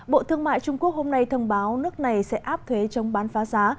bộ thương mại trung quốc hôm nay thông báo nước này sẽ áp thuế chống bán phá giá